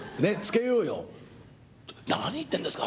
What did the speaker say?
「何言ってるんですか？